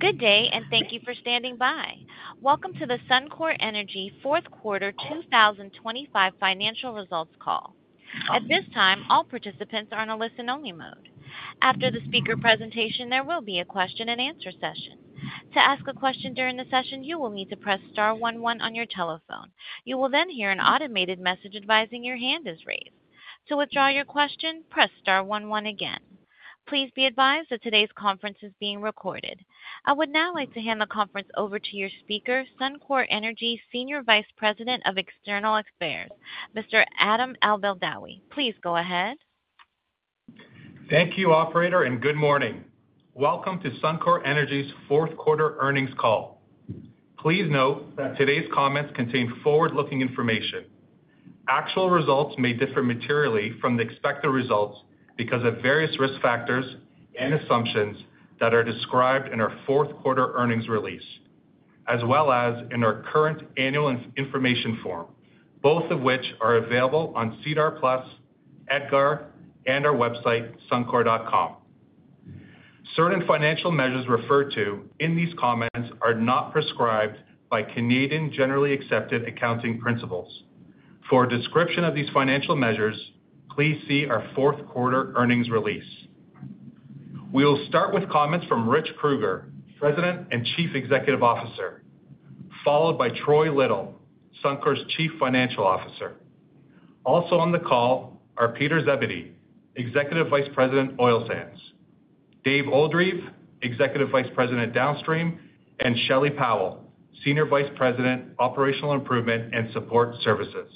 Good day, and thank you for standing by. Welcome to the Suncor Energy Fourth Quarter 2025 Financial Results Call. At this time, all participants are on a listen-only mode. After the speaker presentation, there will be a question-and-answer session. To ask a question during the session, you will need to press star one one on your telephone. You will then hear an automated message advising your hand is raised. To withdraw your question, press star one one again. Please be advised that today's conference is being recorded. I would now like to hand the conference over to your speaker, Suncor Energy, Senior Vice President of External Affairs, Mr. Adam Albeldawi. Please go ahead. Thank you, operator, and good morning. Welcome to Suncor Energy's Fourth Quarter Earnings Call. Please note that today's comments contain forward-looking information. Actual results may differ materially from the expected results because of various risk factors and assumptions that are described in our fourth quarter earnings release, as well as in our current annual information form, both of which are available on SEDAR+, EDGAR, and our website, Suncor.com. Certain financial measures referred to in these comments are not prescribed by Canadian generally accepted accounting principles. For a description of these financial measures, please see our fourth quarter earnings release. We'll start with comments from Rich Kruger, President and Chief Executive Officer, followed by Troy Little, Suncor's Chief Financial Officer. Also on the call are Peter Zebedee, Executive Vice President, Oil Sands, Dave Oldreive, Executive Vice President, Downstream, and Shelley Powell, Senior Vice President, Operational Improvement and Support Services.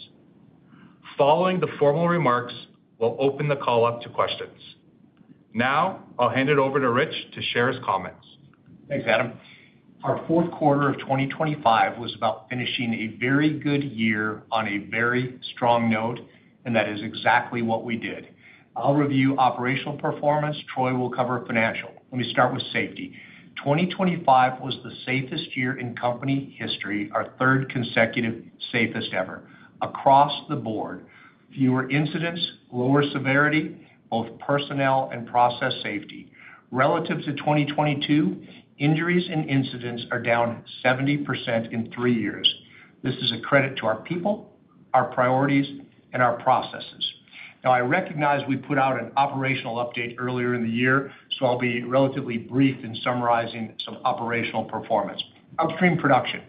Following the formal remarks, we'll open the call up to questions. Now, I'll hand it over to Rich to share his comments. Thanks, Adam. Our fourth quarter of 2025 was about finishing a very good year on a very strong note, and that is exactly what we did. I'll review operational performance. Troy will cover financial. Let me start with safety. 2025 was the safest year in company history, our third consecutive safest ever. Across the board, fewer incidents, lower severity, both personnel and process safety. Relative to 2022, injuries and incidents are down 70% in three years. This is a credit to our people, our priorities, and our processes. Now, I recognize we put out an operational update earlier in the year, so I'll be relatively brief in summarizing some operational performance. Upstream production,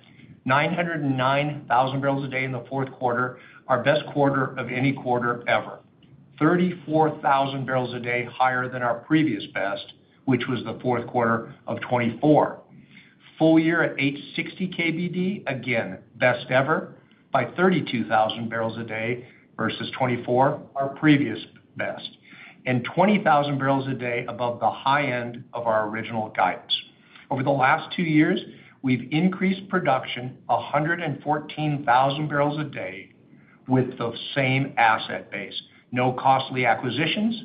909,000 barrels a day in the fourth quarter, our best quarter of any quarter ever. 34,000 barrels a day higher than our previous best, which was the fourth quarter of 2024. Full year at 860 KBD, again, best ever by 32,000 barrels a day versus 2024, our previous best, and 20,000 barrels a day above the high end of our original guidance. Over the last two years, we've increased production 114,000 barrels a day with the same asset base. No costly acquisitions,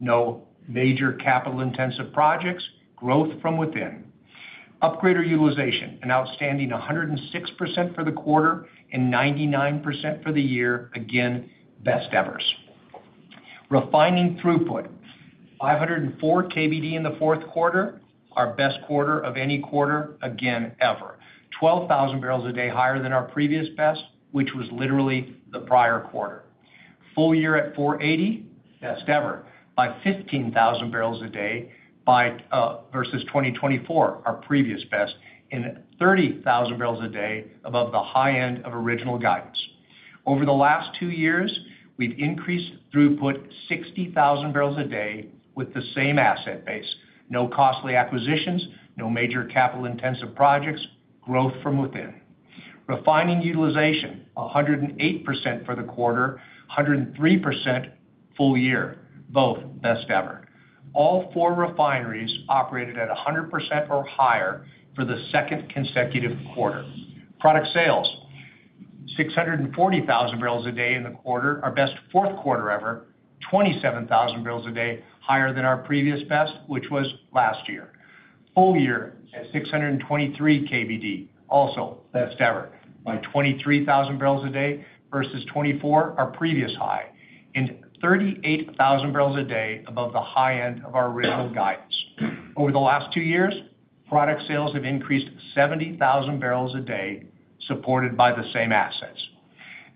no major capital-intensive projects, growth from within. Upgrader utilization, an outstanding 106% for the quarter and 99% for the year. Again, best evers. Refining throughput, 504 KBD in the fourth quarter, our best quarter of any quarter, again, ever. 12,000 barrels a day higher than our previous best, which was literally the prior quarter. Full year at 480, best ever by 15,000 barrels a day by versus 2024, our previous best, and 30,000 barrels a day above the high end of original guidance. Over the last two years, we've increased throughput 60,000 barrels a day with the same asset base. No costly acquisitions, no major capital-intensive projects, growth from within. Refining utilization, 108% for the quarter, 103% full year, both best ever. All four refineries operated at 100% or higher for the second consecutive quarter. Product sales, 640,000 barrels a day in the quarter, our best fourth quarter ever, 27,000 barrels a day higher than our previous best, which was last year. Full year at 623 KBD, also best ever by 23,000 barrels a day versus 2024, our previous high, and 38,000 barrels a day above the high end of our original guidance. Over the last two years, product sales have increased 70,000 barrels a day, supported by the same assets.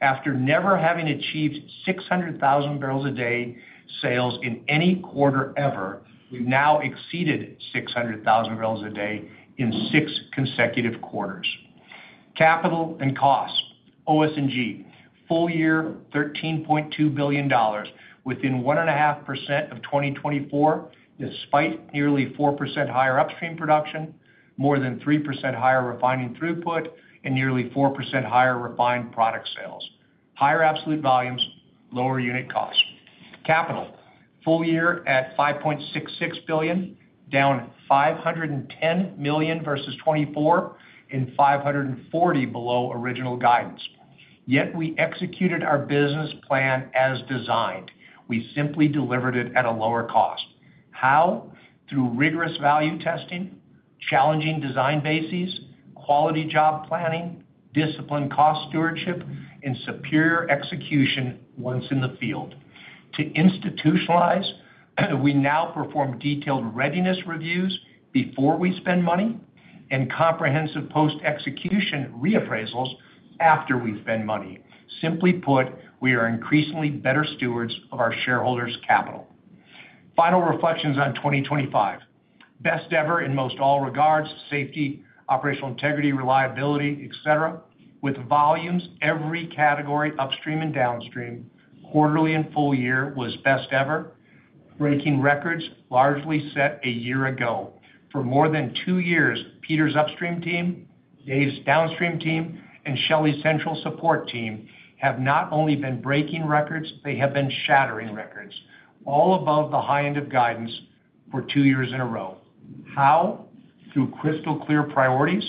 After never having achieved 600,000 barrels a day sales in any quarter ever, we've now exceeded 600,000 barrels a day in six consecutive quarters. Capital and cost, OS&G, full year, 13.2 billion dollars, within 1.5% of 2024, despite nearly 4% higher upstream production, more than 3% higher refining throughput, and nearly 4% higher refined product sales. Higher absolute volumes, lower unit costs. Capital, full year at 5.66 billion, down 510 million versus 2024 and 540 million below original guidance. Yet we executed our business plan as designed. We simply delivered it at a lower cost. How? Through rigorous value testing, challenging design bases quality job planning, disciplined cost stewardship, and superior execution once in the field. To institutionalize, we now perform detailed readiness reviews before we spend money, and comprehensive post-execution reappraisals after we spend money. Simply put, we are increasingly better stewards of our shareholders' capital. Final reflections on 2025. Best ever in most all regards, safety, operational integrity, reliability, etc., with volumes, every category upstream and downstream, quarterly and full year was best ever, breaking records largely set a year ago. For more than two years, Peter's upstream team, Dave's downstream team, and Shelley's central support team have not only been breaking records, they have been shattering records, all above the high end of guidance for two years in a row. How? Through crystal clear priorities,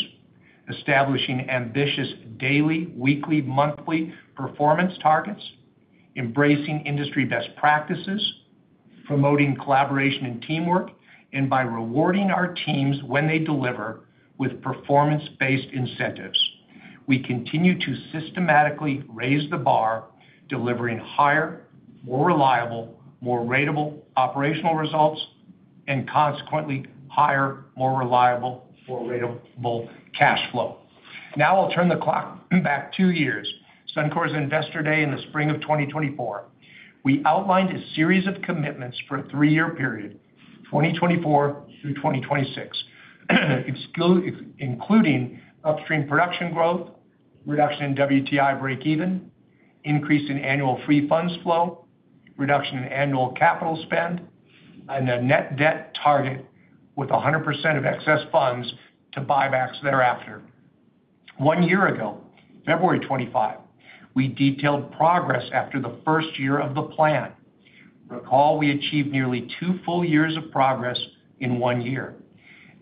establishing ambitious daily, weekly, monthly performance targets, embracing industry best practices, promoting collaboration and teamwork, and by rewarding our teams when they deliver with performance-based incentives. We continue to systematically raise the bar, delivering higher, more reliable, more ratable operational results, and consequently, higher, more reliable, more ratable cash flow. Now I'll turn the clock back two years, Suncor's Investor Day in the spring of 2024. We outlined a series of commitments for a three-year period, 2024 through 2026, including upstream production growth, reduction in WTI breakeven, increase in annual free funds flow, reduction in annual capital spend, and a net debt target with 100% of excess funds to buybacks thereafter. One year ago, February 2025, we detailed progress after the first year of the plan. Recall, we achieved nearly two full years of progress in one year.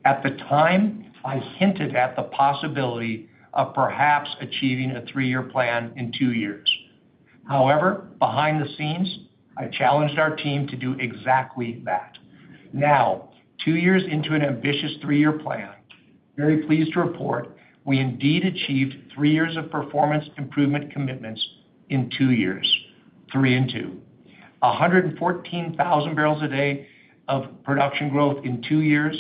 At the time, I hinted at the possibility of perhaps achieving a three-year plan in two years. However, behind the scenes, I challenged our team to do exactly that. Now, two years into an ambitious three-year plan, very pleased to report we indeed achieved three years of performance improvement commitments in two years, three and two. 114,000 barrels a day of production growth in two years,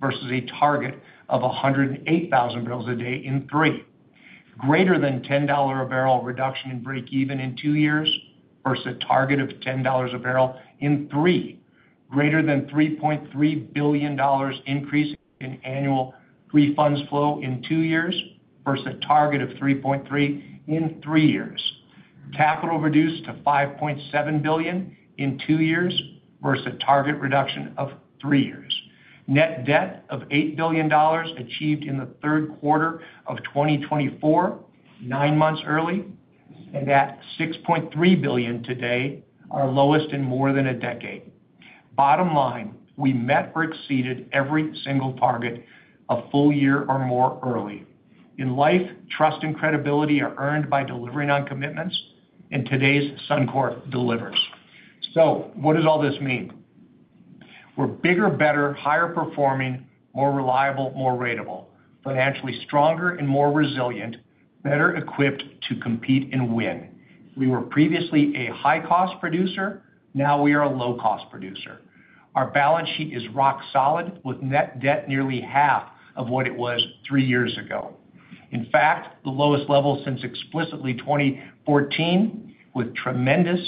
versus a target of 108,000 barrels a day in three. Greater than $10 a barrel reduction in breakeven in two years, versus a target of $10 a barrel in three. Greater than $3.3 billion increase in annual free funds flow in two years, versus a target of $3.3 billion in three years. Capital reduced to $5.7 billion in two years, versus a target reduction of three years. Net debt of $8 billion achieved in the third quarter of 2024, nine months early, and at $6.3 billion today, our lowest in more than a decade. Bottom line, we met or exceeded every single target a full year or more early. In life, trust and credibility are earned by delivering on commitments, and today's Suncor delivers. So what does all this mean? We're bigger, better, higher performing, more reliable, more ratable, financially stronger and more resilient, better equipped to compete and win. We were previously a high-cost producer, now we are a low-cost producer. Our balance sheet is rock solid, with net debt nearly half of what it was three years ago. In fact, the lowest level since explicitly 2014, with tremendous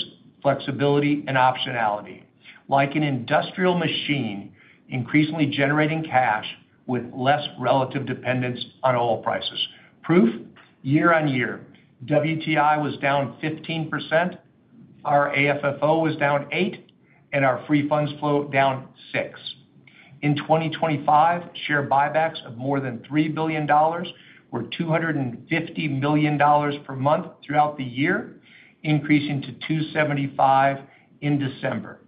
flexibility and optionality, like an industrial machine, increasingly generating cash with less relative dependence on oil prices. Proof? Year-on-year, WTI was down 15%, our AFFO was down 8%, and our free funds flow down 6%. In 2025, share buybacks of more than 3 billion dollars, or 250 million dollars per month throughout the year, increasing to 275 million in December.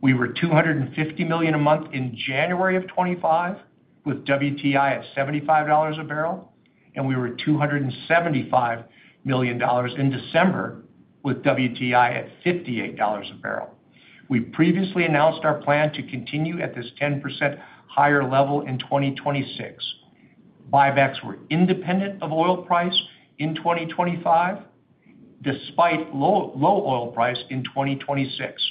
We were 250 million a month in January 2025, with WTI at $75 a barrel, and we were at 275 million dollars in December, with WTI at $58 a barrel. We previously announced our plan to continue at this 10% higher level in 2026. Buybacks were independent of oil price in 2025, despite low, low oil price in 2026.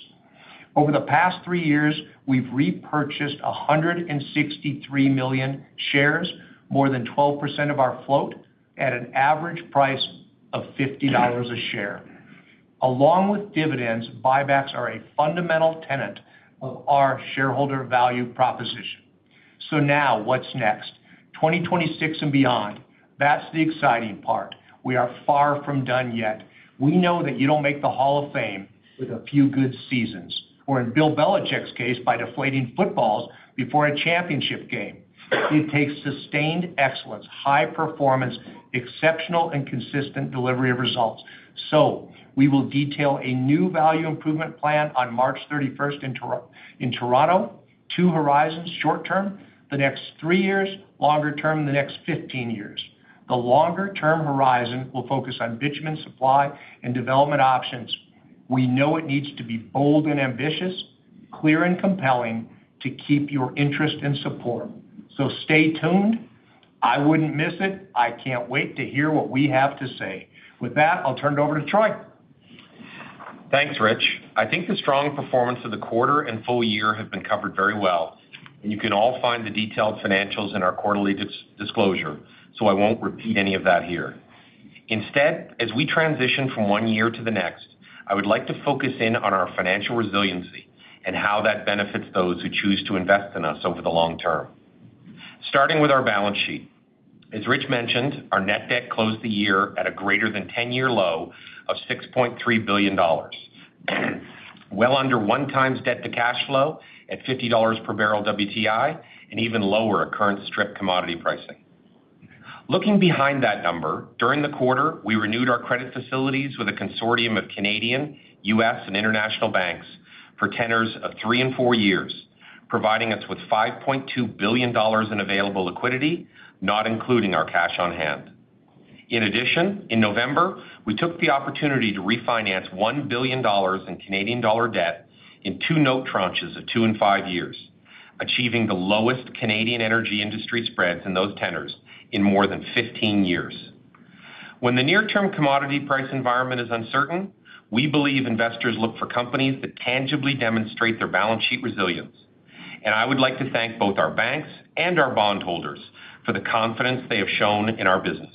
Over the past three years, we've repurchased 163 million shares, more than 12% of our float, at an average price of 50 dollars a share. Along with dividends, buybacks are a fundamental tenet of our shareholder value proposition. So now, what's next? 2026 and beyond, that's the exciting part. We are far from done yet. We know that you don't make the Hall of Fame with a few good seasons, or in Bill Belichick's case, by deflating footballs before a championship game. It takes sustained excellence, high performance, exceptional and consistent delivery of results. So we will detail a new value improvement plan on March 31st in Toronto, two horizons: short term, the next three years. Longer term, the next 15 years. The longer-term horizon will focus on bitumen supply and development options. We know it needs to be bold and ambitious, clear and compelling to keep your interest and support. So stay tuned. I wouldn't miss it. I can't wait to hear what we have to say. With that, I'll turn it over to Troy. Thanks, Rich. I think the strong performance of the quarter and full year have been covered very well, and you can all find the detailed financials in our quarterly disclosure, so I won't repeat any of that here. Instead, as we transition from one year to the next, I would like to focus in on our financial resiliency and how that benefits those who choose to invest in us over the long term. Starting with our balance sheet. As Rich mentioned, our net debt closed the year at a greater than 10-year low of 6.3 billion dollars, well under 1x debt to cash flow at $50 per barrel WTI, and even lower at current strip commodity pricing. Looking behind that number, during the quarter, we renewed our credit facilities with a consortium of Canadian, U.S., and international banks for tenors of three and four years, providing us with 5.2 billion dollars in available liquidity, not including our cash on hand. In addition, in November, we took the opportunity to refinance 1 billion dollars in Canadian dollar debt in two note tranches of two and five years, achieving the lowest Canadian energy industry spreads in those tenors in more than 15 years. When the near-term commodity price environment is uncertain, we believe investors look for companies that tangibly demonstrate their balance sheet resilience, and I would like to thank both our banks and our bondholders for the confidence they have shown in our business.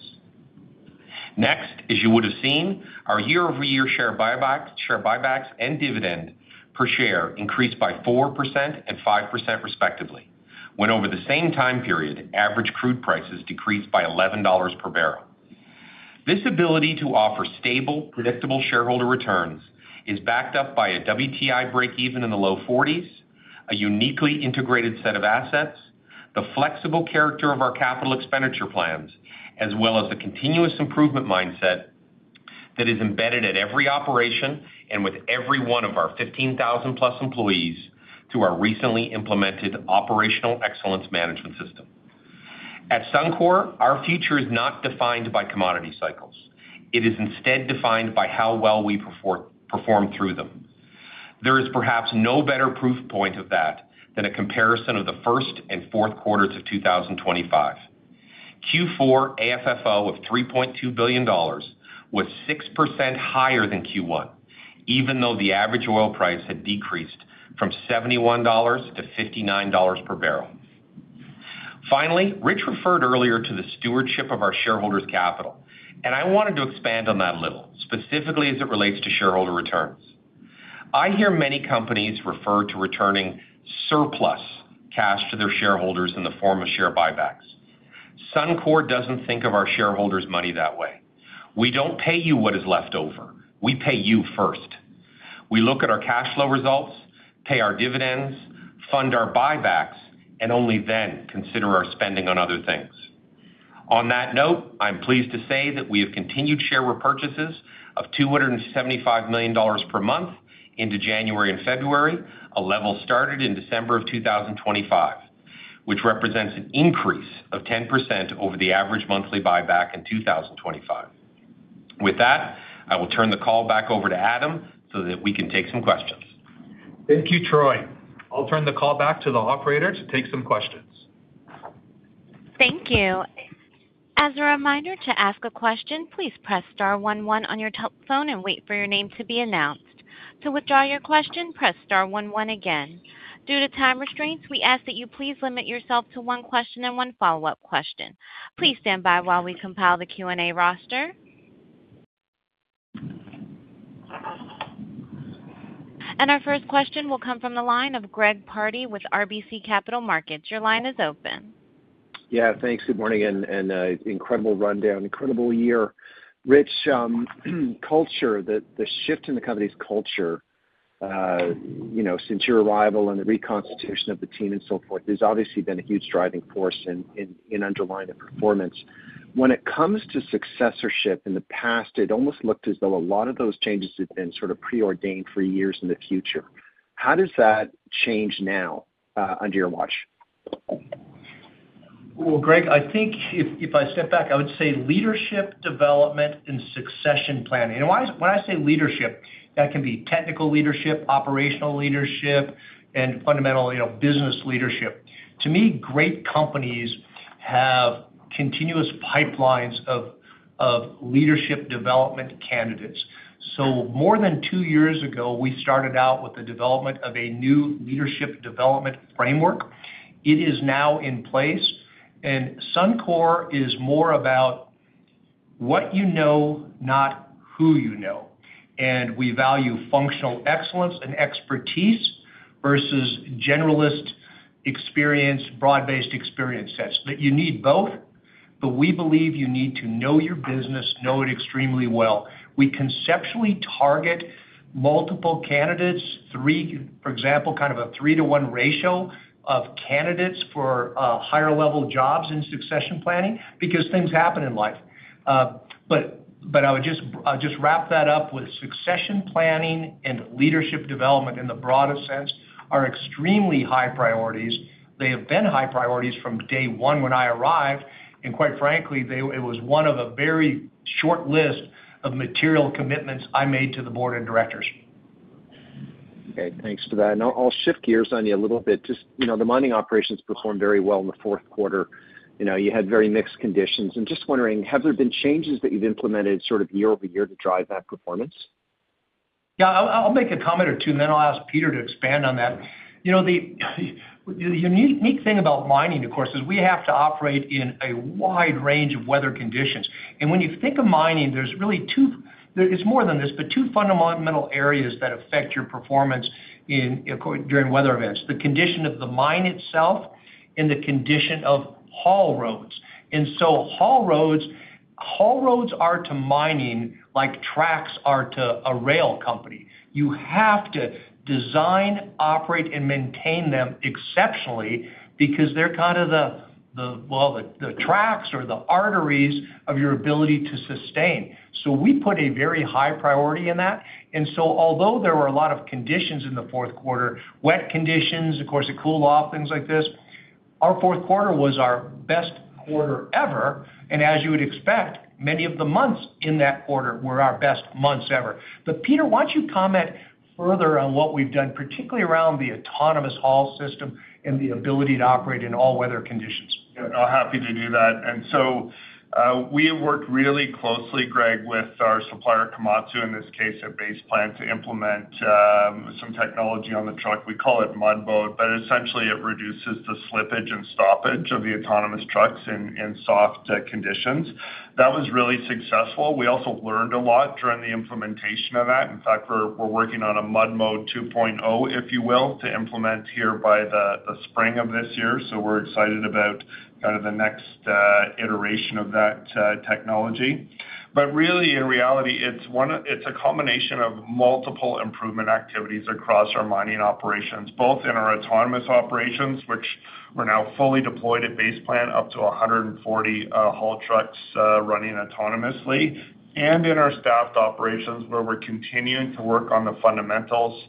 Next, as you would have seen, our year-over-year share buybacks, share buybacks and dividend per share increased by 4% and 5%, respectively, when over the same time period, average crude prices decreased by $11 per barrel. This ability to offer stable, predictable shareholder returns is backed up by a WTI breakeven in the low forties, a uniquely integrated set of assets, the flexible character of our capital expenditure plans, as well as the continuous improvement mindset that is embedded at every operation and with every one of our 15,000+ employees through our recently implemented Operational Excellence Management System. At Suncor, our future is not defined by commodity cycles. It is instead defined by how well we perform, perform through them. There is perhaps no better proof point of that than a comparison of the first and fourth quarters of 2025. Q4 AFFO of 3.2 billion dollars was 6% higher than Q1, even though the average oil price had decreased from $71-$59 per barrel. Finally, Rich referred earlier to the stewardship of our shareholders' capital, and I wanted to expand on that a little, specifically as it relates to shareholder returns. I hear many companies refer to returning surplus cash to their shareholders in the form of share buybacks. Suncor doesn't think of our shareholders' money that way. We don't pay you what is left over. We pay you first. We look at our cash flow results, pay our dividends, fund our buybacks, and only then consider our spending on other things. On that note, I'm pleased to say that we have continued share repurchases of 275 million dollars per month into January and February, a level started in December of 2025, which represents an increase of 10% over the average monthly buyback in 2025. With that, I will turn the call back over to Adam so that we can take some questions. Thank you, Troy. I'll turn the call back to the operator to take some questions. Thank you. As a reminder, to ask a question, please press star one one on your telephone and wait for your name to be announced. To withdraw your question, press star one one again. Due to time restraints, we ask that you please limit yourself to one question and one follow-up question. Please stand by while we compile the Q&A roster. Our first question will come from the line of Greg Pardy with RBC Capital Markets. Your line is open. Yeah, thanks. Good morning, and incredible rundown. Incredible year. Rich, culture, the shift in the company's culture, you know, since your arrival and the reconstitution of the team and so forth, there's obviously been a huge driving force in underlying the performance. When it comes to successorship, in the past, it almost looked as though a lot of those changes had been sort of preordained for years in the future. How does that change now, under your watch? Well, Greg, I think if I step back, I would say leadership development and succession planning. And when I say leadership, that can be technical leadership, operational leadership, and fundamental, you know, business leadership. To me, great companies have continuous pipelines of leadership development candidates. So more than two years ago, we started out with the development of a new leadership development framework. It is now in place, and Suncor is more about what you know, not who you know, and we value functional excellence and expertise versus generalist experience, broad-based experience sets. But you need both, but we believe you need to know your business, know it extremely well. We conceptually target multiple candidates, three—for example, kind of a 3-to-1 ratio of candidates for higher-level jobs in succession planning, because things happen in life.... But I would just, I'll just wrap that up with succession planning and leadership development in the broadest sense are extremely high priorities. They have been high priorities from day one when I arrived, and quite frankly, they, it was one of a very short list of material commitments I made to the board of directors. Okay, thanks for that. I'll shift gears on you a little bit. Just, you know, the mining operations performed very well in the fourth quarter. You know, you had very mixed conditions. I'm just wondering, have there been changes that you've implemented sort of year over year to drive that performance? Yeah, I'll make a comment or two, and then I'll ask Peter to expand on that. You know, the unique thing about mining, of course, is we have to operate in a wide range of weather conditions. And when you think of mining, there's really two—it's more than this, but two fundamental areas that affect your performance during weather events: the condition of the mine itself and the condition of haul roads. And so haul roads are to mining like tracks are to a rail company. You have to design, operate, and maintain them exceptionally because they're kind of the, well, the tracks or the arteries of your ability to sustain. So we put a very high priority in that. And so, although there were a lot of conditions in the fourth quarter, wet conditions, of course, it cooled off, things like this, our fourth quarter was our best quarter ever, and as you would expect, many of the months in that quarter were our best months ever. But Peter, why don't you comment further on what we've done, particularly around the Autonomous Haul System and the ability to operate in all weather conditions? Yeah, I'm happy to do that. And so, we worked really closely, Greg, with our supplier, Komatsu, in this case, at Base Plant, to implement some technology on the truck. We call it Mud Mode, but essentially it reduces the slippage and stoppage of the autonomous trucks in soft conditions. That was really successful. We also learned a lot during the implementation of that. In fact, we're working on a Mud Mode 2.0, if you will, to implement here by the spring of this year. So we're excited about kind of the next iteration of that technology. But really, in reality, it's one of—it's a combination of multiple improvement activities across our mining operations, both in our autonomous operations, which we're now fully deployed at Base Plant, up to 140 haul trucks running autonomously, and in our staffed operations, where we're continuing to work on the fundamentals,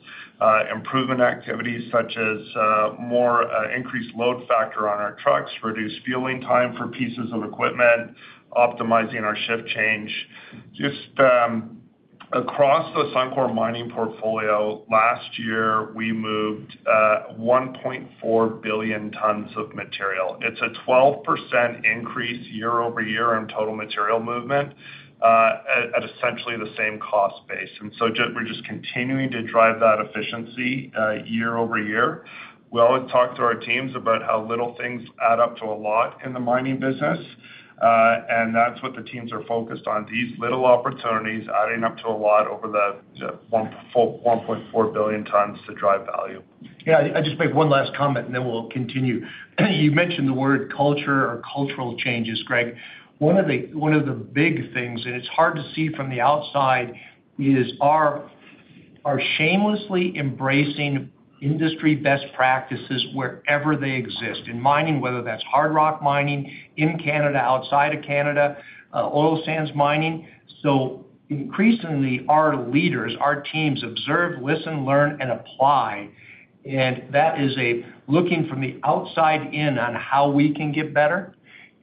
improvement activities such as more increased load factor on our trucks, reduced fueling time for pieces of equipment, optimizing our shift change. Just across the Suncor mining portfolio, last year, we moved 1.4 billion tons of material. It's a 12% increase year-over-year in total material movement, at essentially the same cost base. And so just, we're just continuing to drive that efficiency year-over-year. We always talk to our teams about how little things add up to a lot in the mining business, and that's what the teams are focused on, these little opportunities adding up to a lot over the 1.4 billion tons to drive value. Yeah, I'll just make one last comment, and then we'll continue. You mentioned the word culture or cultural changes, Greg. One of the, one of the big things, and it's hard to see from the outside, is our, our shamelessly embracing industry best practices wherever they exist in mining, whether that's hard rock mining in Canada, outside of Canada, oil sands mining. So increasingly, our leaders, our teams, observe, listen, learn, and apply. And that is a looking from the outside in on how we can get better.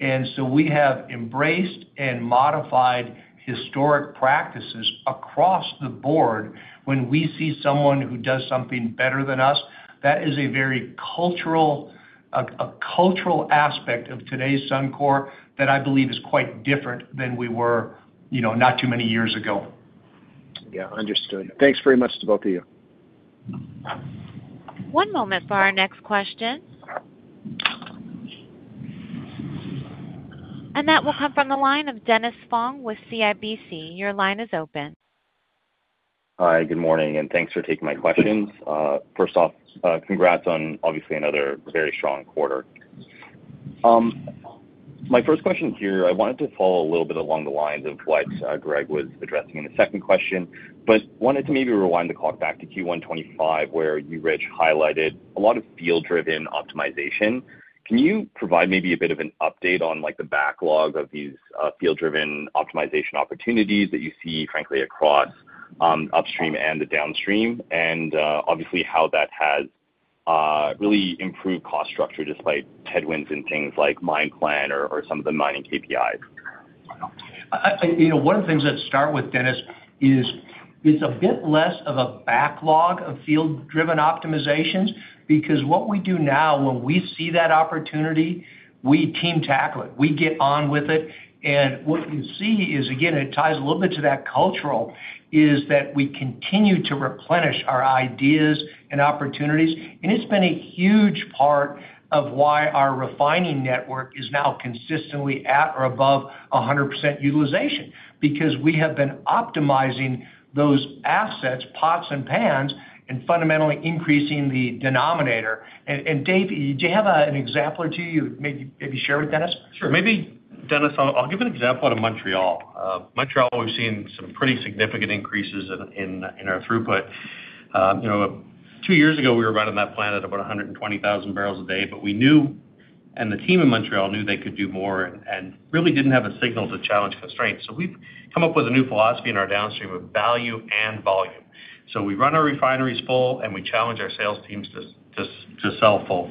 And so we have embraced and modified historic practices across the board when we see someone who does something better than us. That is a very cultural, a, a cultural aspect of today's Suncor that I believe is quite different than we were, you know, not too many years ago. Yeah, understood. Thanks very much to both of you. One moment for our next question. That will come from the line of Dennis Fong with CIBC. Your line is open. Hi, good morning, and thanks for taking my questions. First off, congrats on obviously another very strong quarter. My first question here, I wanted to follow a little bit along the lines of what Greg was addressing in the second question, but wanted to maybe rewind the clock back to Q1 2025, where you, Rich, highlighted a lot of field-driven optimization. Can you provide maybe a bit of an update on, like, the backlog of these field-driven optimization opportunities that you see, frankly, across upstream and the downstream? And obviously, how that has really improved cost structure, despite headwinds and things like mine plan or some of the mining KPIs. You know, one of the things that start with, Dennis, is it's a bit less of a backlog of field-driven optimizations, because what we do now, when we see that opportunity, we team tackle it. We get on with it, and what you see is, again, it ties a little bit to that cultural, is that we continue to replenish our ideas and opportunities. And it's been a huge part of why our refining network is now consistently at or above 100% utilization, because we have been optimizing those assets, pots and pans, and fundamentally increasing the denominator. And Dave, do you have an example or two you maybe share with Dennis? Sure. Maybe, Dennis, I'll give an example out of Montreal. Montreal, we've seen some pretty significant increases in our throughput. You know-... Two years ago, we were running that plant at about 120,000 barrels a day, but we knew, and the team in Montreal knew they could do more and really didn't have a signal to challenge constraints. So we've come up with a new philosophy in our downstream of value and volume. So we run our refineries full, and we challenge our sales teams to sell full.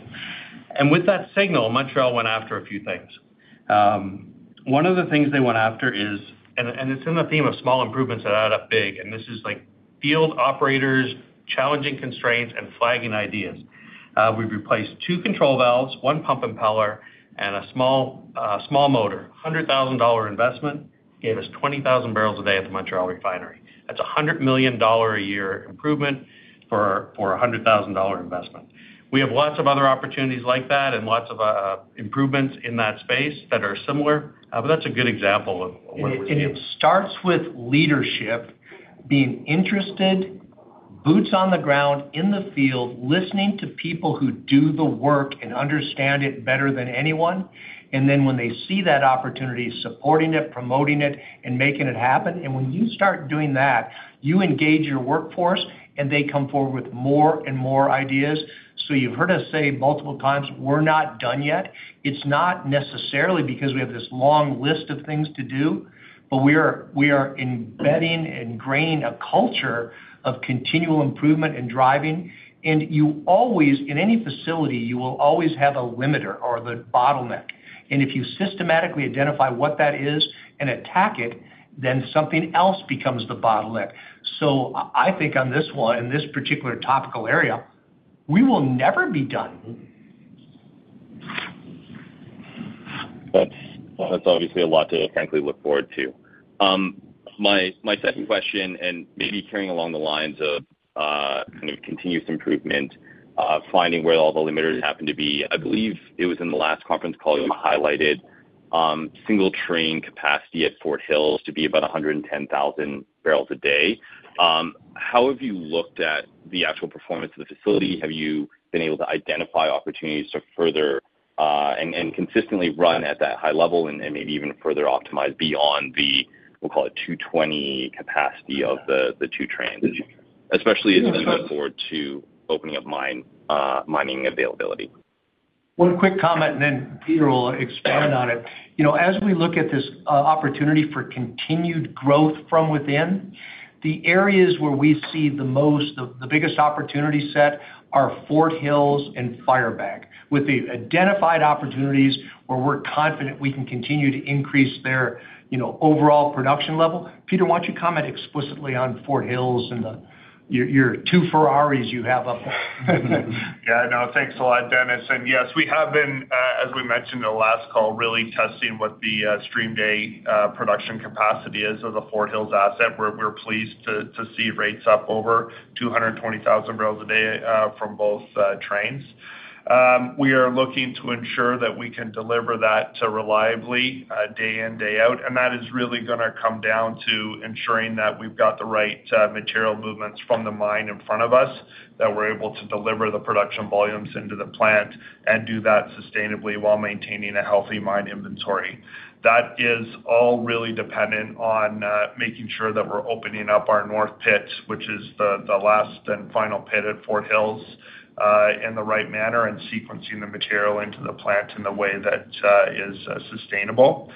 And with that signal, Montreal went after a few things. One of the things they went after is, and it's in the theme of small improvements that add up big, and this is, like, field operators, challenging constraints, and flagging ideas. We've replaced two control valves, one pump impeller, and a small motor. 100,000 dollar investment gave us 20,000 barrels a day at the Montreal Refinery. That's a 100 million dollar a year improvement for, for a 100,000 dollar investment. We have lots of other opportunities like that and lots of improvements in that space that are similar, but that's a good example of what we're doing. And it starts with leadership being interested, boots on the ground, in the field, listening to people who do the work and understand it better than anyone. And then when they see that opportunity, supporting it, promoting it, and making it happen. And when you start doing that, you engage your workforce, and they come forward with more and more ideas. So you've heard us say multiple times, "We're not done yet." It's not necessarily because we have this long list of things to do, but we are, we are embedding and ingraining a culture of continual improvement and driving. You always, in any facility, you will always have a limiter or the bottleneck. If you systematically identify what that is and attack it, then something else becomes the bottleneck. I, I think on this one, in this particular topical area, we will never be done. That's obviously a lot to frankly look forward to. My second question, and maybe carrying along the lines of kind of continuous improvement, finding where all the limiters happen to be. I believe it was in the last conference call you highlighted single train capacity at Fort Hills to be about 110,000 barrels a day. How have you looked at the actual performance of the facility? Have you been able to identify opportunities to further and consistently run at that high level and maybe even further optimize beyond the, we'll call it 220 capacity of the two trains, especially as you look forward to opening up mine mining availability? One quick comment, and then Peter will expand on it. You know, as we look at this opportunity for continued growth from within, the areas where we see the most, the biggest opportunity set are Fort Hills and Firebag. With the identified opportunities where we're confident we can continue to increase their, you know, overall production level. Peter, why don't you comment explicitly on Fort Hills and your two Ferraris you have up there? Yeah, no, thanks a lot, Dennis. Yes, we have been, as we mentioned in the last call, really testing what the stream day production capacity is of the Fort Hills asset, where we're pleased to see rates up over 220,000 barrels a day from both trains. We are looking to ensure that we can deliver that reliably day in, day out, and that is really gonna come down to ensuring that we've got the right material movements from the mine in front of us, that we're able to deliver the production volumes into the plant and do that sustainably while maintaining a healthy mine inventory. That is all really dependent on making sure that we're opening up our North Pit, which is the last and final pit at Fort Hills in the right manner, and sequencing the material into the plant in a way that is sustainable.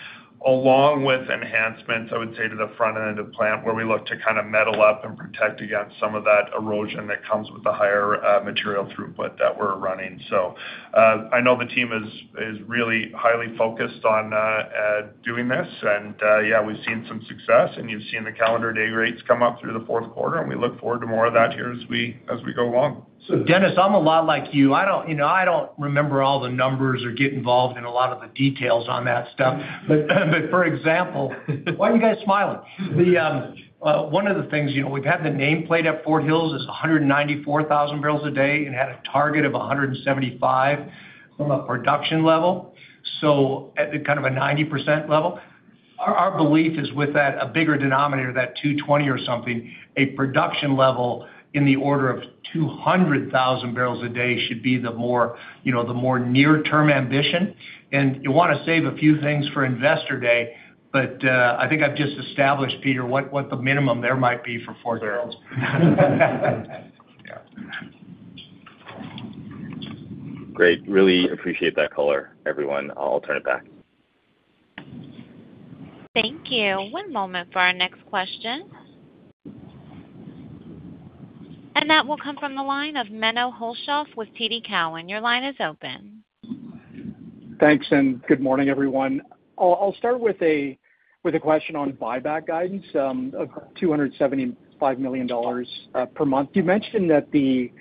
Along with enhancements, I would say, to the front end of the plant, where we look to kind of metal up and protect against some of that erosion that comes with the higher material throughput that we're running. So I know the team is really highly focused on doing this, and yeah, we've seen some success, and you've seen the calendar day rates come up through the fourth quarter, and we look forward to more of that here as we go along. So Dennis, I'm a lot like you. I don't, you know, I don't remember all the numbers or get involved in a lot of the details on that stuff. But for example, why are you guys smiling? One of the things, you know, we've had the nameplate at Fort Hills is 194,000 barrels a day and had a target of 175 from a production level, so at kind of a 90% level. Our belief is with that, a bigger denominator, that 220 or something, a production level in the order of 200,000 barrels a day should be the more, you know, the more near-term ambition. And you wanna save a few things for Investor Day, but I think I've just established, Peter, what the minimum there might be for four barrels. Yeah. Great. Really appreciate that color, everyone. I'll turn it back. Thank you. One moment for our next question. That will come from the line of Menno Hulshof with TD Cowen. Your line is open. Thanks, and good morning, everyone. I'll start with a question on buyback guidance of 275 million dollars per month. You mentioned that the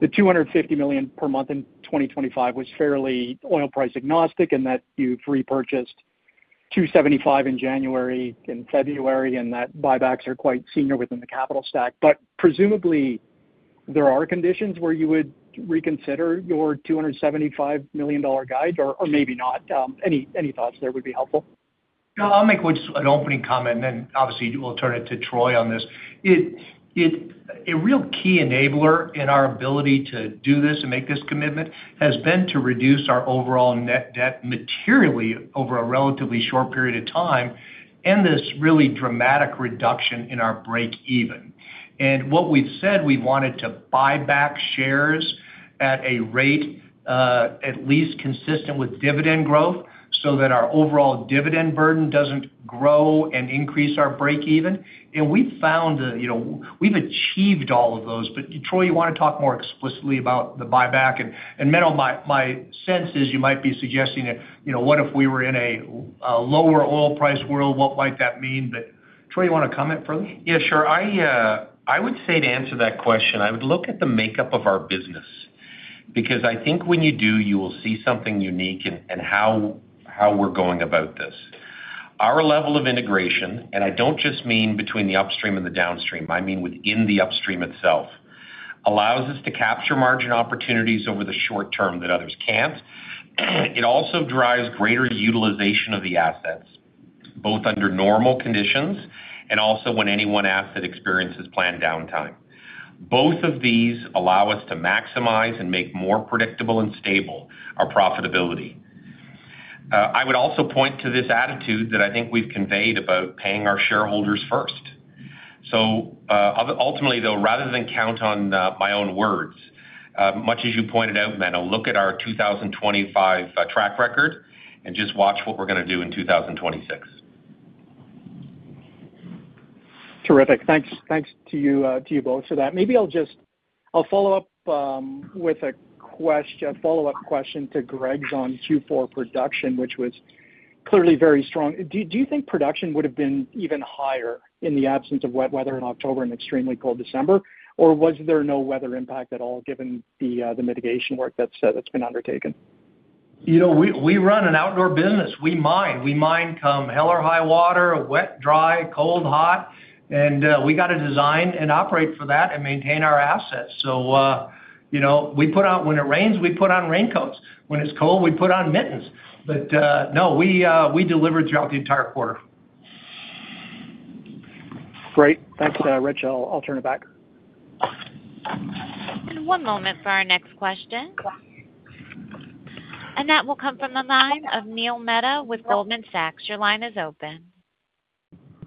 250 million per month in 2025 was fairly oil price agnostic, and that you've repurchased 275 in January and February, and that buybacks are quite senior within the capital stack. But presumably, there are conditions where you would reconsider your 275 million dollar guide or maybe not. Any thoughts there would be helpful. No, I'll make just an opening comment, and then, obviously, we'll turn it to Troy on this. It—a real key enabler in our ability to do this and make this commitment has been to reduce our overall net debt materially over a relatively short period of time... and this really dramatic reduction in our breakeven. And what we've said, we wanted to buy back shares at a rate, at least consistent with dividend growth, so that our overall dividend burden doesn't grow and increase our breakeven. And we've found, you know, we've achieved all of those. But Troy, you wanna talk more explicitly about the buyback? And, and Manav, my, my sense is you might be suggesting that, you know, what if we were in a, a lower oil price world, what might that mean? But Troy, you wanna comment further? Yeah, sure. I would say to answer that question, I would look at the makeup of our business, because I think when you do, you will see something unique in how we're going about this. Our level of integration, and I don't just mean between the upstream and the downstream, I mean, within the upstream itself, allows us to capture margin opportunities over the short term that others can't. It also drives greater utilization of the assets, both under normal conditions and also when any one asset experiences planned downtime. Both of these allow us to maximize and make more predictable and stable our profitability. I would also point to this attitude that I think we've conveyed about paying our shareholders first. So, ultimately, though, rather than count on my own words, much as you pointed out, Menno, look at our 2025 track record, and just watch what we're gonna do in 2026. Terrific. Thanks. Thanks to you both for that. Maybe I'll just follow up with a follow-up question to Greg's on Q4 production, which was clearly very strong. Do you think production would have been even higher in the absence of wet weather in October and extremely cold December? Or was there no weather impact at all, given the mitigation work that's been undertaken? You know, we run an outdoor business. We mine. We mine, come hell or high water, wet, dry, cold, hot, and we got to design and operate for that and maintain our assets. So, you know, we put on, when it rains, we put on raincoats. When it's cold, we put on mittens. But, no, we delivered throughout the entire quarter. Great. Thanks, Rich. I'll turn it back. One moment for our next question. That will come from the line of Neil Mehta with Goldman Sachs. Your line is open.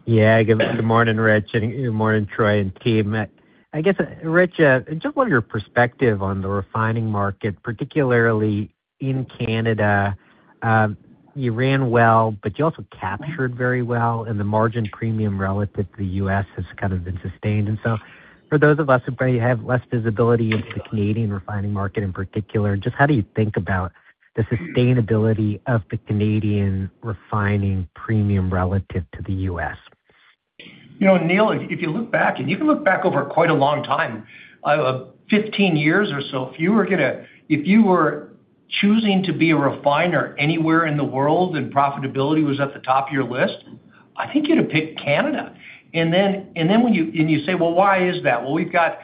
Yeah, good morning, Rich, and good morning, Troy and team. I guess, Rich, just want your perspective on the refining market, particularly in Canada. You ran well, but you also captured very well, and the margin premium relative to the U.S. has kind of been sustained. And so for those of us who probably have less visibility into the Canadian refining market in particular, just how do you think about the sustainability of the Canadian refining premium relative to the U.S.? You know, Neil, if you look back, and you can look back over quite a long time, 15 years or so, if you were choosing to be a refiner anywhere in the world and profitability was at the top of your list, I think you'd have picked Canada. And then when you say, "Well, why is that?" Well, we've got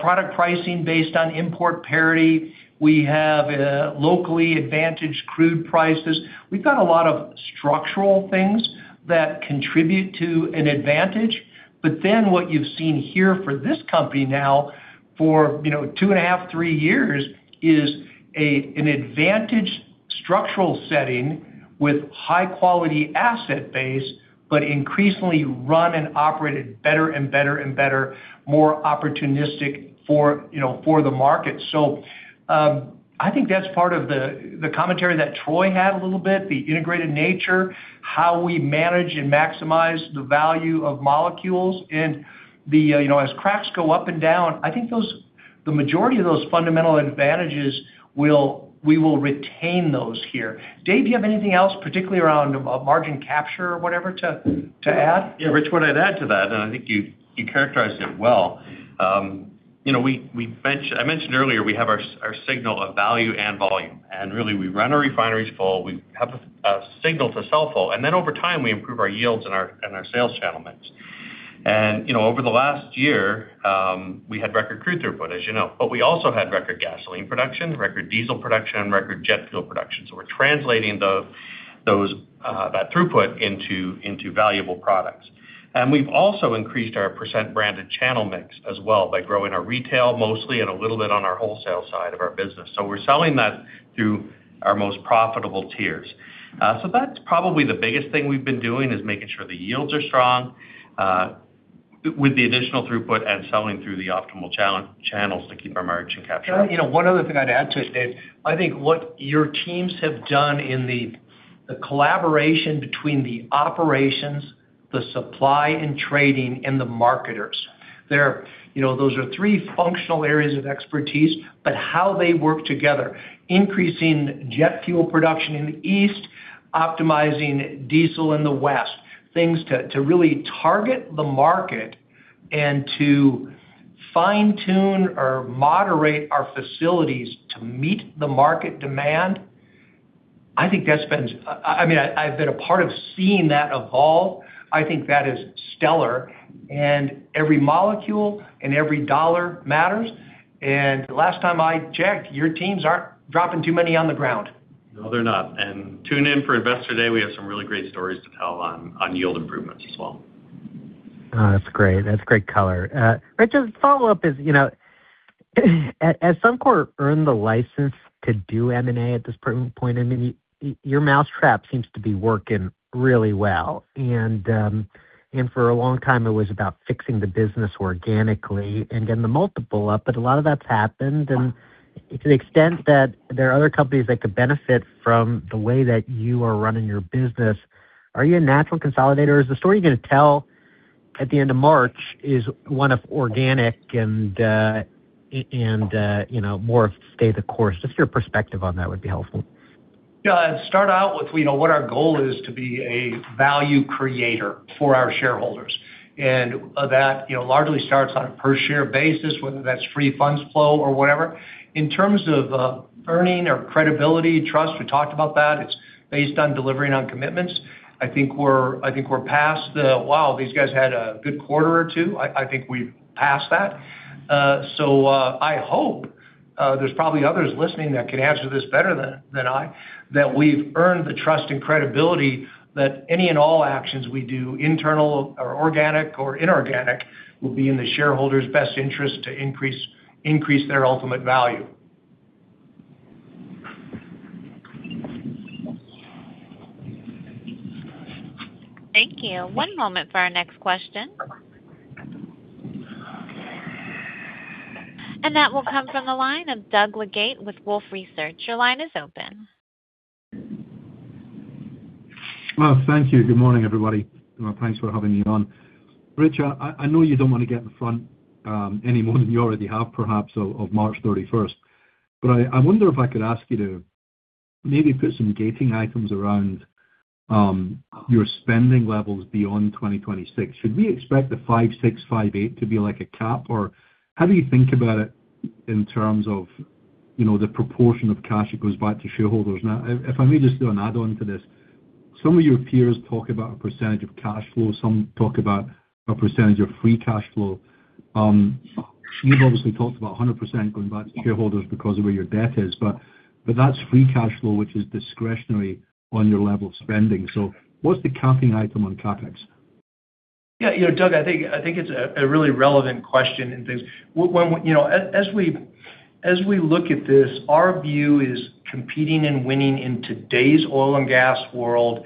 product pricing based on import parity. We have locally advantaged crude prices. We've got a lot of structural things that contribute to an advantage. But then what you've seen here for this company now for, you know, two and a half to three years, is an advantaged structural setting with high-quality asset base, but increasingly run and operated better and better and better, more opportunistic for, you know, for the market. So, I think that's part of the commentary that Troy had a little bit, the integrated nature, how we manage and maximize the value of molecules. And, you know, as cracks go up and down, I think the majority of those fundamental advantages we will retain those here. Dave, do you have anything else, particularly around margin capture or whatever, to add? Yeah, Rich, what I'd add to that, and I think you characterized it well. You know, I mentioned earlier, we have our signal of value and volume, and really, we run our refineries full, we have a signal to sell full, and then over time, we improve our yields and our sales channel mix. You know, over the last year, we had record crude throughput, as you know, but we also had record gasoline production, record diesel production, record jet fuel production. So we're translating those that throughput into valuable products. We've also increased our percent branded channel mix as well by growing our retail mostly and a little bit on our wholesale side of our business. So we're selling that through our most profitable tiers. So that's probably the biggest thing we've been doing, is making sure the yields are strong, with the additional throughput and selling through the optimal channels to keep our margin capture. You know, one other thing I'd add to it, Dave. I think what your teams have done in the collaboration between the operations, the supply and trading, and the marketers. They're, you know, those are three functional areas of expertise, but how they work together, increasing jet fuel production in the east, optimizing diesel in the west, things to really target the market and to fine-tune or moderate our facilities to meet the market demand, I think that's been... I mean, I've been a part of seeing that evolve. I think that is stellar, and every molecule and every dollar matters. And last time I checked, your teams aren't dropping too many on the ground. No, they're not. Tune in for Investor Day. We have some really great stories to tell on, on yield improvements as well.... Oh, that's great. That's great color. Rich, just a follow-up is, you know, has Suncor earned the license to do M&A at this point? I mean, your mousetrap seems to be working really well, and for a long time, it was about fixing the business organically and getting the multiple up. But a lot of that's happened, and to the extent that there are other companies that could benefit from the way that you are running your business, are you a natural consolidator, or is the story you're gonna tell at the end of March one of organic and, you know, more of stay the course? Just your perspective on that would be helpful. Yeah, I'd start out with, you know, what our goal is to be a value creator for our shareholders. And, that, you know, largely starts on a per-share basis, whether that's Free Funds Flow or whatever. In terms of earning or credibility, trust, we talked about that. It's based on delivering on commitments. I think we're, I think we're past the, "Wow, these guys had a good quarter or two." I, I think we've passed that. So, I hope, there's probably others listening that can answer this better than, than I, that we've earned the trust and credibility that any and all actions we do, internal or organic or inorganic, will be in the shareholders' best interest to increase, increase their ultimate value. Thank you. One moment for our next question. That will come from the line of Doug Leggate with Wolfe Research. Your line is open. Well, thank you. Good morning, everybody, and thanks for having me on. Rich, I, I know you don't want to get in front any more than you already have, perhaps, of March 31st. But I, I wonder if I could ask you to maybe put some gating items around your spending levels beyond 2026. Should we expect the 5.658 to be like a cap, or how do you think about it in terms of, you know, the proportion of cash that goes back to shareholders? Now, if, if I may just do an add-on to this, some of your peers talk about a percentage of cash flow, some talk about a percentage of free cash flow. You've obviously talked about 100% going back to shareholders because of where your debt is, but that's free cash flow, which is discretionary on your level of spending. So what's the capping item on CapEx? Yeah, you know, Doug, I think it's a really relevant question and things. When, you know, as we look at this, our view is competing and winning in today's oil and gas world,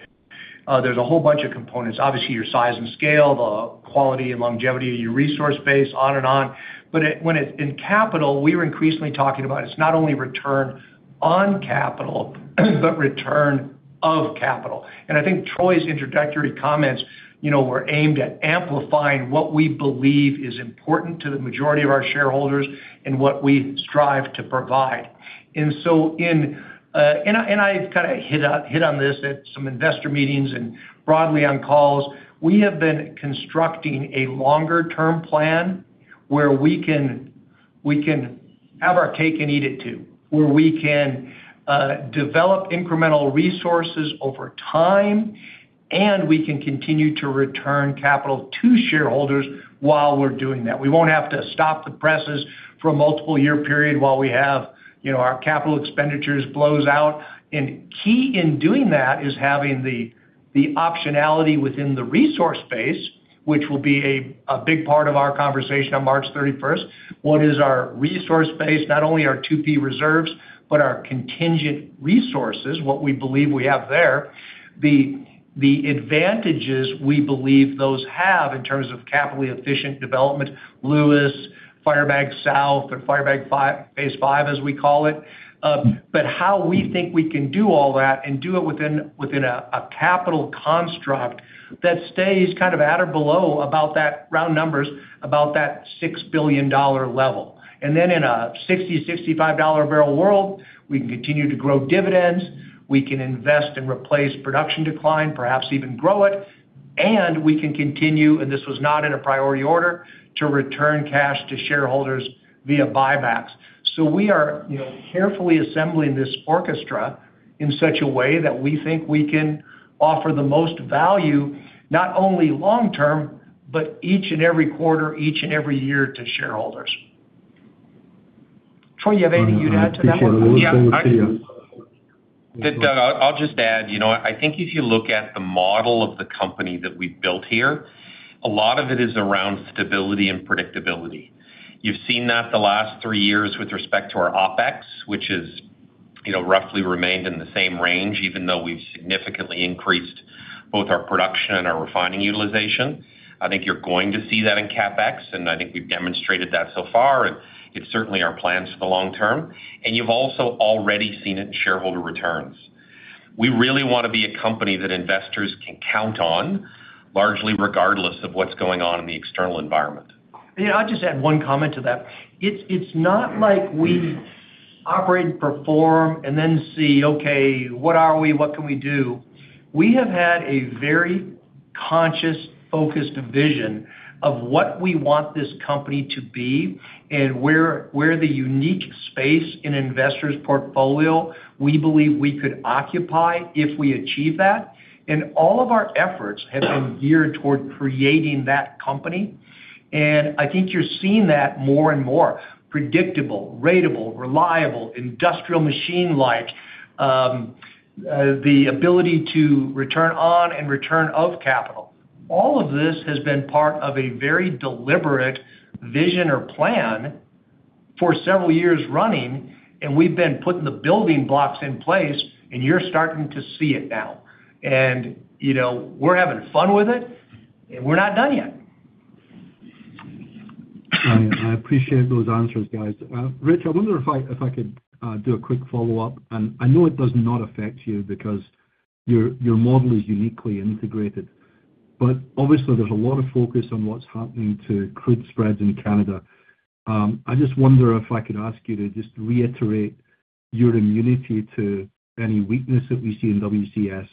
there's a whole bunch of components. Obviously, your size and scale, the quality and longevity of your resource base, on and on. But it, when it. In capital, we are increasingly talking about it's not only return on capital, but return of capital. And I think Troy's introductory comments, you know, were aimed at amplifying what we believe is important to the majority of our shareholders and what we strive to provide. And so. And I kind of hit on this at some investor meetings and broadly on calls. We have been constructing a longer-term plan where we can, we can have our cake and eat it, too. Where we can, develop incremental resources over time, and we can continue to return capital to shareholders while we're doing that. We won't have to stop the presses for a multiple year period while we have, you know, our capital expenditures blows out. And key in doing that is having the, the optionality within the resource base, which will be a, a big part of our conversation on March 31st. What is our resource base? Not only our 2P reserves, but our contingent resources, what we believe we have there. The, the advantages we believe those have in terms of capitally efficient development, Lewis, Firebag South or Firebag 5-phase V, as we call it. But how we think we can do all that and do it within a capital construct that stays kind of at or below about that, round numbers, about that $6 billion level. And then in a $60-$65 a barrel world, we can continue to grow dividends, we can invest and replace production decline, perhaps even grow it, and we can continue, and this was not in a priority order, to return cash to shareholders via buybacks. So we are, you know, carefully assembling this orchestra in such a way that we think we can offer the most value, not only long term, but each and every quarter, each and every year to shareholders. Troy, you have anything you'd add to that? Yeah, I do. Yeah, I can. Doug, I'll just add, you know, I think if you look at the model of the company that we've built here, a lot of it is around stability and predictability. You've seen that the last three years with respect to our OpEx, which has, you know, roughly remained in the same range, even though we've significantly increased both our production and our refining utilization. I think you're going to see that in CapEx, and I think we've demonstrated that so far, and it's certainly our plans for the long term. You've also already seen it in shareholder returns. We really want to be a company that investors can count on, largely regardless of what's going on in the external environment. Yeah, I'll just add one comment to that. It's not like we operate and perform and then see, okay, what are we? What can we do? We have had a very conscious, focused vision of what we want this company to be and where the unique space in investors' portfolio we believe we could occupy if we achieve that. And all of our efforts have been geared toward creating that company. And I think you're seeing that more and more. Predictable, ratable, reliable, industrial machine-like, the ability to return on and return of capital. All of this has been part of a very deliberate vision or plan for several years running, and we've been putting the building blocks in place, and you're starting to see it now. And, you know, we're having fun with it, and we're not done yet. I appreciate those answers, guys. Rich, I wonder if I could do a quick follow-up? I know it does not affect you because your model is uniquely integrated. Obviously, there's a lot of focus on what's happening to crude spreads in Canada. I just wonder if I could ask you to just reiterate your immunity to any weakness that we see in WCS,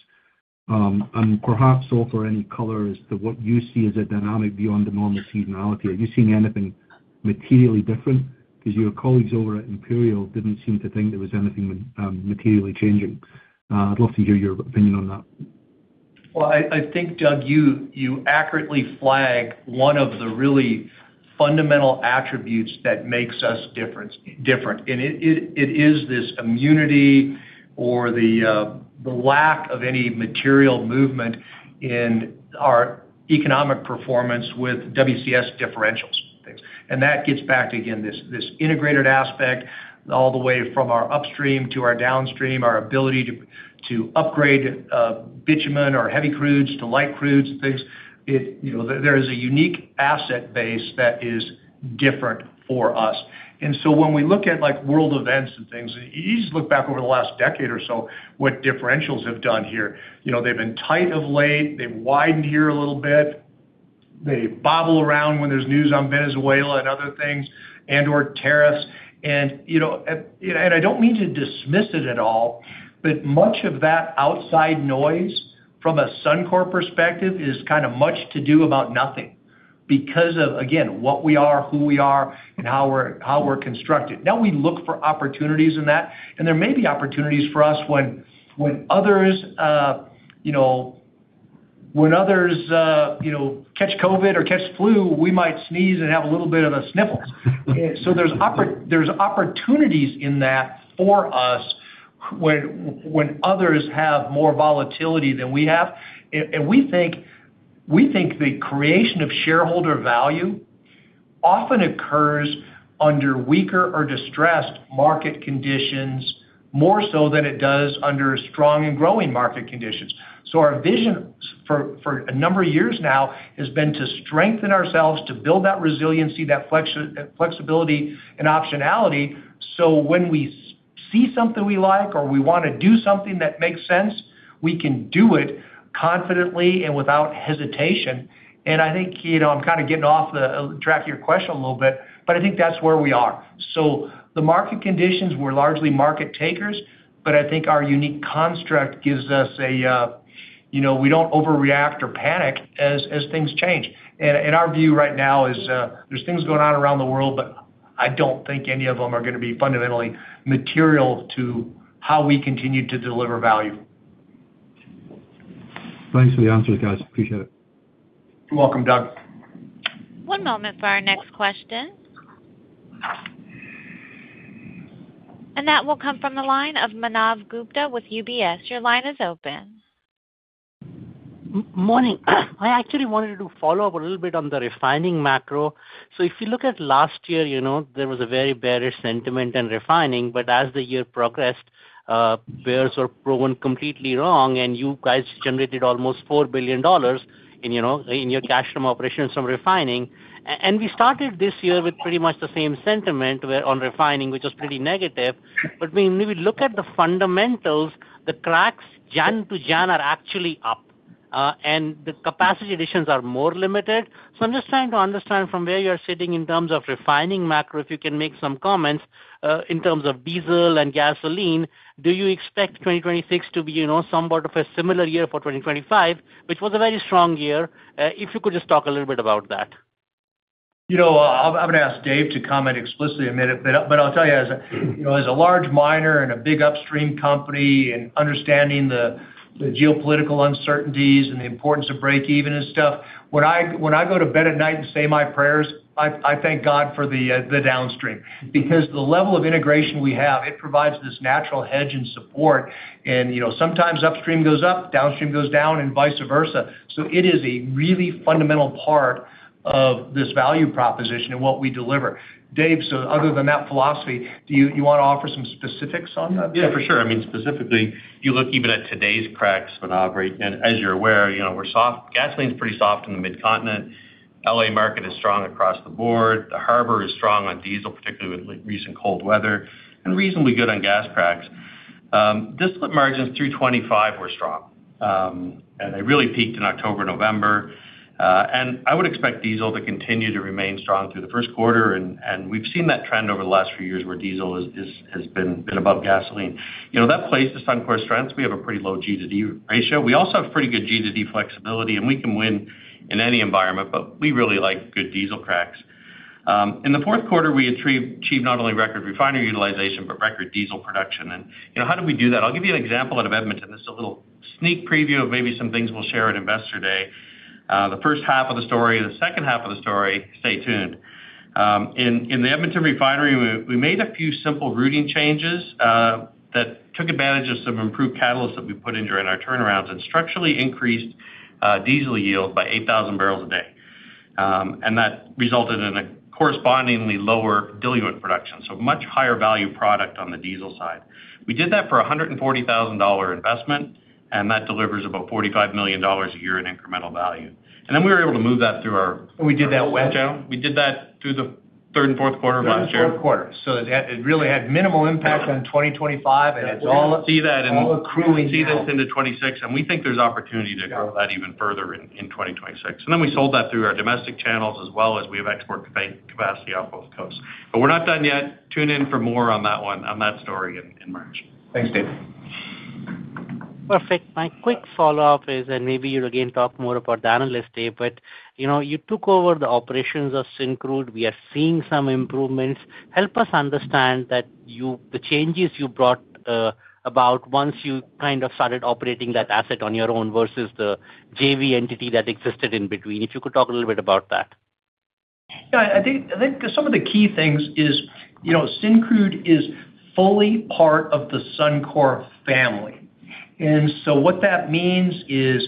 and perhaps offer any color as to what you see as a dynamic beyond the normal seasonality. Are you seeing anything materially different? Because your colleagues over at Imperial didn't seem to think there was anything materially changing. I'd love to hear your opinion on that. Well, I think, Doug, you accurately flag one of the really fundamental attributes that makes us different. And it is this immunity or the lack of any material movement in our economic performance with WCS differentials. And that gets back to, again, this integrated aspect, all the way from our upstream to our downstream, our ability to upgrade bitumen or heavy crudes to light crudes, things. You know, there is a unique asset base that is different for us. And so when we look at, like, world events and things, you just look back over the last decade or so, what differentials have done here. You know, they've been tight of late, they've widened here a little bit. They bobble around when there's news on Venezuela and other things, and/or tariffs. And, you know, you know, and I don't mean to dismiss it at all, but much of that outside noise from a Suncor perspective is kind of much to do about nothing. Because of, again, what we are, who we are, and how we're constructed. Now, we look for opportunities in that, and there may be opportunities for us when others, you know, when others, you know, catch COVID or catch flu, we might sneeze and have a little bit of the sniffles. So there's opportunities in that for us, when others have more volatility than we have. And we think the creation of shareholder value often occurs under weaker or distressed market conditions, more so than it does under strong and growing market conditions. So our vision for, for a number of years now, has been to strengthen ourselves, to build that resiliency, that flexibility and optionality. So when we see something we like or we wanna do something that makes sense, we can do it confidently and without hesitation. And I think, you know, I'm kind of getting off the track of your question a little bit, but I think that's where we are. So the market conditions, we're largely market takers, but I think our unique construct gives us a, you know, we don't overreact or panic as things change. And our view right now is, there's things going on around the world, but I don't think any of them are gonna be fundamentally material to how we continue to deliver value. Thanks for the answers, guys. Appreciate it. You're welcome, Doug. One moment for our next question. That will come from the line of Manav Gupta with UBS. Your line is open. Morning. I actually wanted to follow up a little bit on the refining macro. So if you look at last year, you know, there was a very bearish sentiment in refining, but as the year progressed, bears were proven completely wrong, and you guys generated almost $4 billion in, you know, in your cash from operations from refining. And we started this year with pretty much the same sentiment where on refining, which was pretty negative. But when we look at the fundamentals, the cracks, Jan to Jan, are actually up, and the capacity additions are more limited. So I'm just trying to understand from where you're sitting in terms of refining macro, if you can make some comments, in terms of diesel and gasoline. Do you expect 2026 to be, you know, somewhat of a similar year for 2025, which was a very strong year? If you could just talk a little bit about that. You know, I'm gonna ask Dave to comment explicitly in a minute, but I'll tell you, you know, as a large miner and a big upstream company, and understanding the geopolitical uncertainties and the importance of breakeven and stuff, when I go to bed at night and say my prayers, I thank God for the downstream. Because the level of integration we have, it provides this natural hedge and support and, you know, sometimes upstream goes up, downstream goes down, and vice versa. So it is a really fundamental part of this value proposition and what we deliver. Dave, so other than that philosophy, do you you wanna offer some specifics on that? Yeah, for sure. I mean, specifically, you look even at today's cracks, Manav, right, and as you're aware, you know, we're soft. Gasoline's pretty soft in the Mid-Continent. L.A. market is strong across the board. The harbor is strong on diesel, particularly with recent cold weather, and reasonably good on gas cracks. Distillate margins through 2025 were strong. And they really peaked in October, November. And I would expect diesel to continue to remain strong through the first quarter, and we've seen that trend over the last few years, where diesel is, has been above gasoline. You know, that plays to Suncor's strengths. We have a pretty low G-to-D ratio. We also have pretty good G-to-D flexibility, and we can win in any environment, but we really like good diesel cracks. In the fourth quarter, we achieved not only record refinery utilization, but record diesel production. And, you know, how did we do that? I'll give you an example out of Edmonton. This is a little sneak preview of maybe some things we'll share at Investor Day. The first half of the story, the second half of the story, stay tuned.... in the Edmonton refinery, we made a few simple routing changes that took advantage of some improved catalysts that we put in during our turnarounds and structurally increased diesel yield by 8,000 barrels a day. And that resulted in a correspondingly lower diluent production, so much higher value product on the diesel side. We did that for a 140,000 dollar investment, and that delivers about 45 million dollars a year in incremental value. And then we were able to move that through our- We did that well. We did that through the third and fourth quarter of last year. Fourth quarter. So it really had minimal impact on 2025, and it's all- See that in- All accruing now. We see this into 2026, and we think there's opportunity to grow that even further in 2026. And then we sold that through our domestic channels, as well as we have export capacity off both coasts. But we're not done yet. Tune in for more on that one, on that story in March. Thanks, Dave. Perfect. My quick follow-up is, and maybe you'll again talk more about the Analyst Day, but, you know, you took over the operations of Syncrude. We are seeing some improvements. Help us understand that you-- the changes you brought about once you kind of started operating that asset on your own versus the JV entity that existed in between, if you could talk a little bit about that. Yeah, I think, I think some of the key things is, you know, Syncrude is fully part of the Suncor family. And so what that means is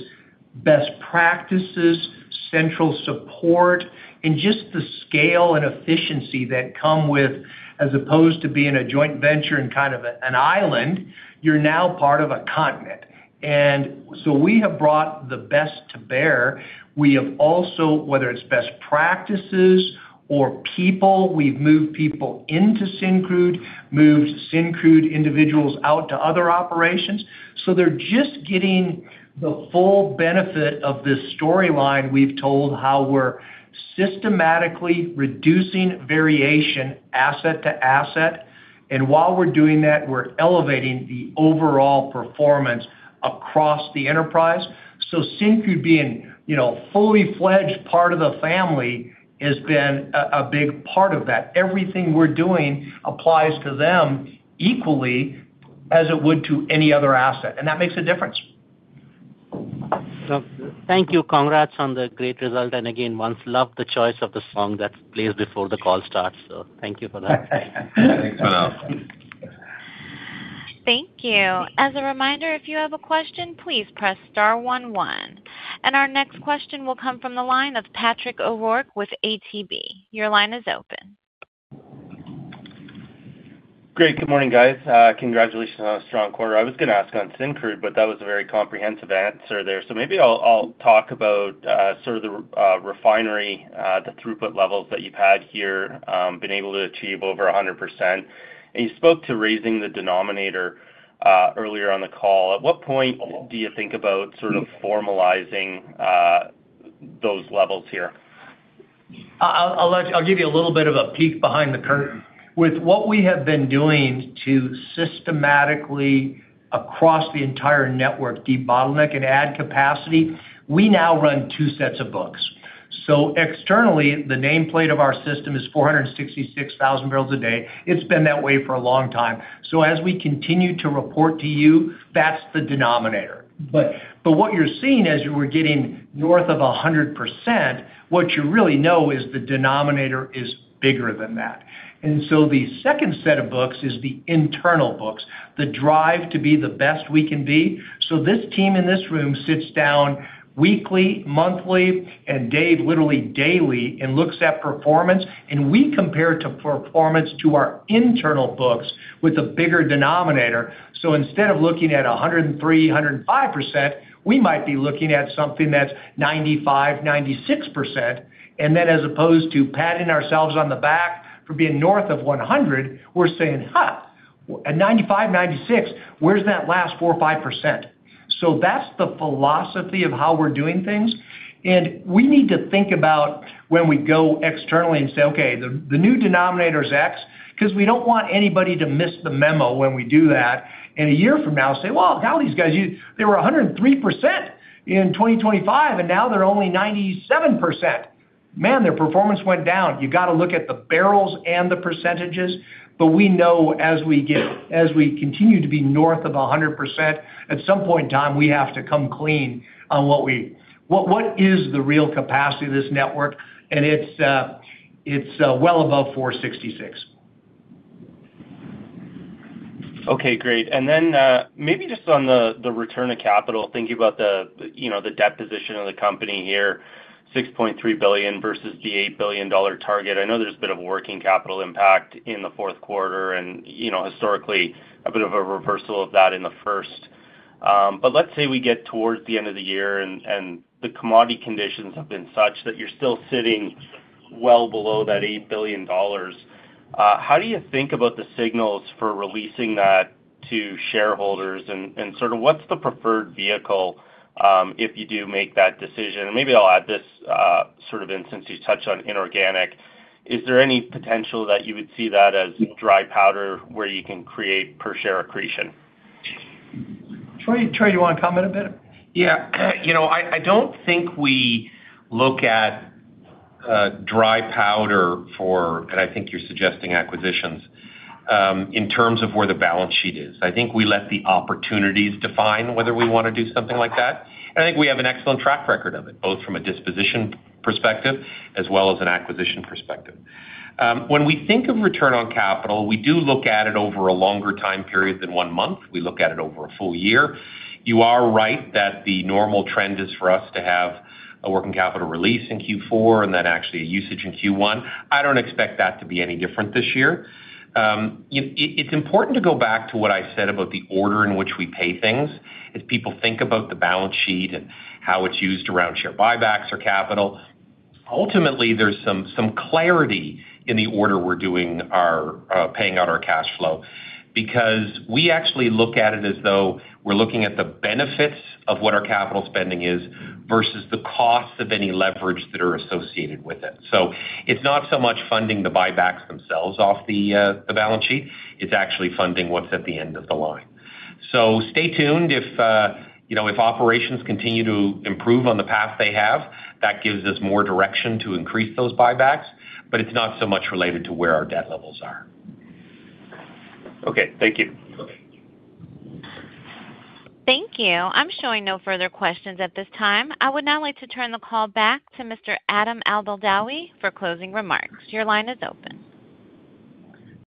best practices, central support, and just the scale and efficiency that come with, as opposed to being a joint venture in kind of an island, you're now part of a continent. And so we have brought the best to bear. We have also, whether it's best practices or people, we've moved people into Syncrude, moved Syncrude individuals out to other operations. So they're just getting the full benefit of this storyline we've told, how we're systematically reducing variation, asset to asset, and while we're doing that, we're elevating the overall performance across the enterprise. So Syncrude being, you know, a fully fledged part of the family has been a, a big part of that. Everything we're doing applies to them equally as it would to any other asset, and that makes a difference. Thank you. Congrats on the great result, and again, once loved the choice of the song that plays before the call starts, so thank you for that. You're welcome. Thank you. As a reminder, if you have a question, please press star one, one. Our next question will come from the line of Patrick O'Rourke with ATB. Your line is open. Great. Good morning, guys. Congratulations on a strong quarter. I was gonna ask on Syncrude, but that was a very comprehensive answer there. So maybe I'll, I'll talk about sort of the refinery, the throughput levels that you've had here, been able to achieve over 100%. And you spoke to raising the denominator earlier on the call. At what point do you think about sort of formalizing those levels here? I'll let you... I'll give you a little bit of a peek behind the curtain. With what we have been doing to systematically, across the entire network, debottleneck and add capacity, we now run two sets of books. So externally, the nameplate of our system is 466,000 barrels a day. It's been that way for a long time. So as we continue to report to you, that's the denominator. But what you're seeing as you were getting north of 100%, what you really know is the denominator is bigger than that. And so the second set of books is the internal books, the drive to be the best we can be. So this team in this room sits down weekly, monthly, and Dave, literally daily, and looks at performance, and we compare to performance to our internal books with a bigger denominator. So instead of looking at 103, 105%, we might be looking at something that's 95, 96%. And then, as opposed to patting ourselves on the back for being north of 100, we're saying, "Huh, at 95, 96, where's that last 4 or 5%?" So that's the philosophy of how we're doing things, and we need to think about when we go externally and say, "Okay, the, the new denominator is X," 'cause we don't want anybody to miss the memo when we do that, and a year from now, say, "Well, how are these guys... They were 103% in 2025, and now they're only 97%. Man, their performance went down." You've got to look at the barrels and the percentages, but we know as we continue to be north of 100%, at some point in time, we have to come clean on what is the real capacity of this network? And it's well above 466. Okay, great. And then, maybe just on the return of capital, thinking about the, you know, the debt position of the company here, $6.3 billion versus the $8 billion target. I know there's a bit of a working capital impact in the fourth quarter and, you know, historically, a bit of a reversal of that in the first. But let's say we get towards the end of the year and the commodity conditions have been such that you're still sitting well below that $8 billion. How do you think about the signals for releasing that to shareholders, and sort of what's the preferred vehicle, if you do make that decision? Maybe I'll add this, in this instance, you touched on inorganic. Is there any potential that you would see that as dry powder, where you can create per share accretion? Troy, Troy, you want to comment a bit? Yeah. You know, I, I don't think we look at dry powder for, and I think you're suggesting acquisitions, in terms of where the balance sheet is. I think we let the opportunities define whether we want to do something like that, and I think we have an excellent track record of it, both from a disposition perspective as well as an acquisition perspective. When we think of return on capital, we do look at it over a longer time period than one month. We look at it over a full year. You are right that the normal trend is for us to have a working capital release in Q4 and then actually a usage in Q1. I don't expect that to be any different this year. It, it's important to go back to what I said about the order in which we pay things. As people think about the balance sheet and how it's used around share buybacks or capital, ultimately, there's some, some clarity in the order we're doing our paying out our cash flow. Because we actually look at it as though we're looking at the benefits of what our capital spending is versus the costs of any leverage that are associated with it. So it's not so much funding the buybacks themselves off the the balance sheet, it's actually funding what's at the end of the line. So stay tuned. If you know, if operations continue to improve on the path they have, that gives us more direction to increase those buybacks, but it's not so much related to where our debt levels are. Okay. Thank you. Okay. Thank you. I'm showing no further questions at this time. I would now like to turn the call back to Mr. Adam Abdeldaoui for closing remarks. Your line is open.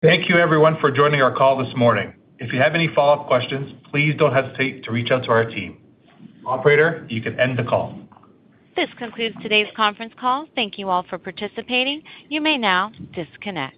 Thank you, everyone, for joining our call this morning. If you have any follow-up questions, please don't hesitate to reach out to our team. Operator, you can end the call. This concludes today's conference call. Thank you all for participating. You may now disconnect.